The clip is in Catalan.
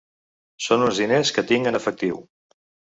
Son uns diners que tinc en efectiu.